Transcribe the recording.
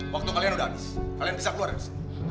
waktu kalian udah habis kalian bisa keluar dari sini